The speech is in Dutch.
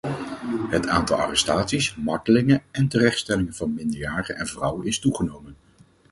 Het aantal arrestaties, martelingen en terechtstellingen van minderjarigen en vrouwen is toegenomen.